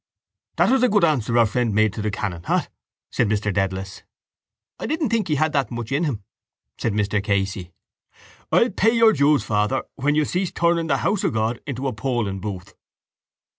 —That was a good answer our friend made to the canon. What? said Mr Dedalus. —I didn't think he had that much in him, said Mr Casey. _—I'll pay your dues, father, when you cease turning the house of God into a polling booth.